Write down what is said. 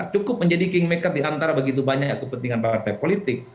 cukup menjadi kingmaker diantara begitu banyak kepentingan partai politik